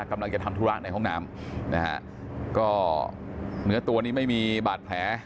กำลังจะทำธุระในห้องน้ำนะฮะก็เนื้อตัวนี้ไม่มีบาดแผล